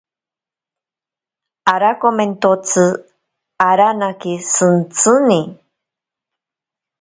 Arakomentotsi aranake shintsini.